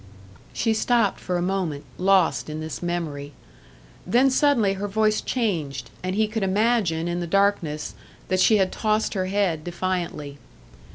She stopped for a moment, lost in this memory. Then suddenly her voice changed and he could imagine in the darkness that she had tossed her head defiantly.